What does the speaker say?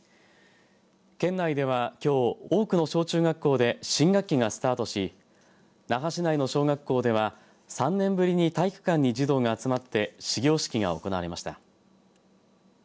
県内ではきょう多くの小中学校で新学期がスタートし那覇市内の小学校では３年ぶりに体育館に児童が集まって始業式が行われました。